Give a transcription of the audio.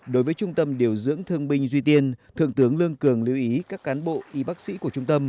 đối với trung tâm điều dưỡng thương binh duy tiên thượng tướng lương cường lưu ý các cán bộ y bác sĩ của trung tâm